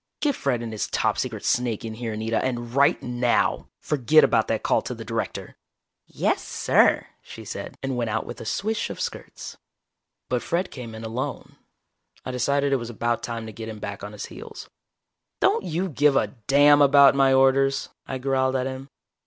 "Get Fred and this top secret snake in here, Anita, and right now! Forget about that call to the Director." "Yes, sir!" she said, and went out with a swish of skirts. But Fred came in alone. I decided it was about time to get him back on his heels. "Don't you give a damn about my orders?" I growled at him.